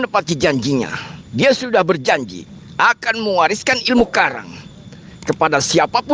paman menyalurkan hawa murni paman kepada aku